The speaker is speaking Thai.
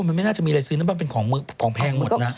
มันไม่น่าจะมีอะไรซื้อนะมันเป็นของแพงหมดนะ